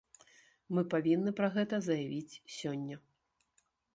Мы павінны пра гэта заявіць сёння.